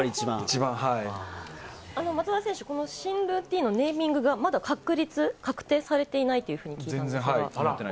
松田選手、この新ルーティンのネーミングがまだ確定されていないというふうに聞いたんですが。